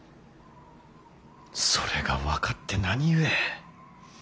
それが分かって何故。